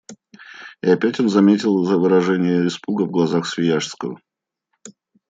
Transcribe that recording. И опять он заметил выражение испуга в глазах Свияжского.